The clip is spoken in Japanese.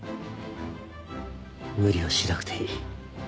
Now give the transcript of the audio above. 無理はしなくていい。